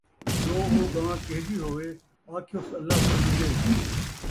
جو اوڳاں کِہجی ہووے آکھیس اللہ فرمیندے